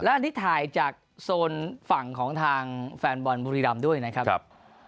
อันนี้ถ่ายจากโซนฝั่งของทางแฟนบอลบุรีรำด้วยนะครับ